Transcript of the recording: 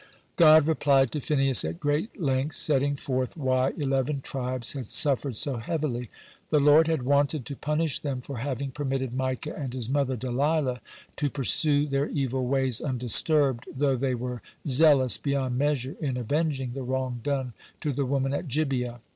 God replied to Phinehas at great length, setting forth why eleven tribes had suffered so heavily. The Lord had wanted to punished them for having permitted Micah and his mother Delilah to pursue their evil ways undisturbed, though they were zealous beyond measure in avenging the wrong done to the woman at Gibeah.